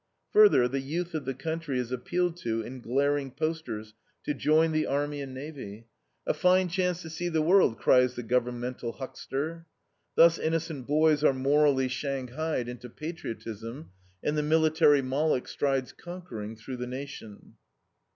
Further, the youth of the country is appealed to in glaring posters to join the army and navy. "A fine chance to see the world!" cries the governmental huckster. Thus innocent boys are morally shanghaied into patriotism, and the military Moloch strides conquering through the Nation.